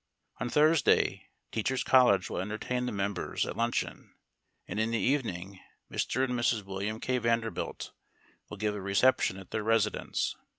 On Thursday, Teachers' College will entertain the members at luncheon, and in the evening Mr. and Mrs. William K. Vanderbilt will give a reception at their residence.